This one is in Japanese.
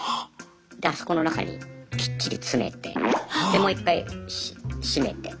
であそこの中にきっちり詰めてでもう一回閉めて。